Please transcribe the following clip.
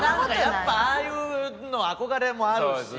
やっぱああいうのは憧れもあるし。